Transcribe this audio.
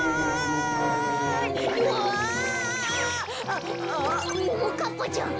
あっももかっぱちゃん